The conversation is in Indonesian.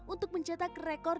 untuk mencetak rekod